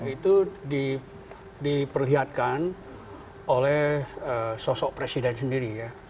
itu diperlihatkan oleh sosok presiden sendiri ya